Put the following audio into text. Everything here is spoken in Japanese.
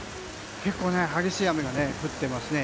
結構激しい雨が降ってますね。